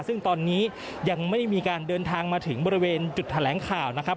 ซึ่งตอนนี้ยังไม่มีการเดินทางมาถึงบริเวณจุดแถลงข่าวนะครับ